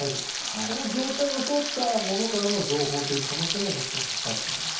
その業者を装った者からの情報という可能性ももちろん高いと思います。